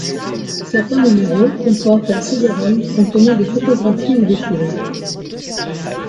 Certains numéros comportent un cédérom contenant des photographies ou des films.